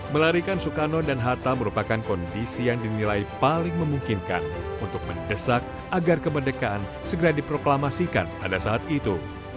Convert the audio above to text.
melarikan soekarno dan hatta merupakan kondisi yang dinilai paling memungkinkan untuk mendesak agar kemerdekaan segera diproklamasikan pada saat itu